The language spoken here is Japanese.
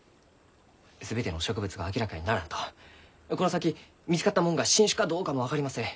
全ての植物が明らかにならんとこの先見つかったもんが新種かどうかも分かりません。